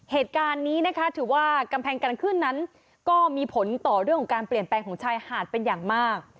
เหตุการณ์นี้นะคะถือว่ากำแพงการขึ้นนั้นก็มีผลต่อเรื่องของการเปลี่ยนแปลงของชายหาดเป็นอย่างมาก